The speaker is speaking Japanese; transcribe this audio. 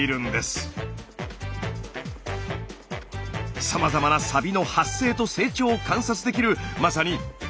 さまざまなサビの発生と成長を観察できるまさにサビの宝庫！